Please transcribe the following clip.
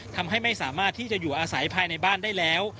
ทำให้ไม่สามารถที่จะอยู่อาศัยภายในบ้านได้แล้ว